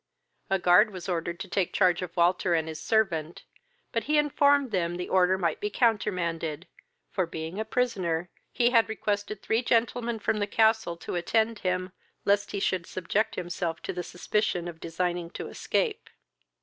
A guard was ordered to take charge of Walter and his servant, but he informed them the order might be countermanded; for, being a prisoner, he had requested three gentlemen from the castle to attend him, lest he should subject himself to the suspicion of designing to escape.